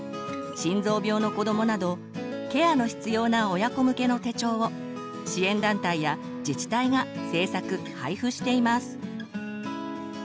心臓病の子どもなどケアの必要な親子向けの手帳を支援団体や自治体が制作配布しています。